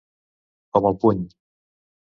Com el puny.